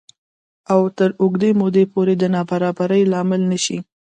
او تر اوږدې مودې پورې د نابرابرۍ لامل نه شي